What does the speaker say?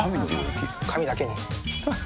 神だけに。